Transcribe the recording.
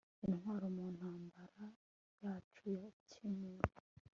Intwaro mu ntambara yacu ya kimuntu